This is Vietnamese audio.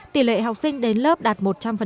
tỷ lệ học sinh đến lớp đạt một trăm linh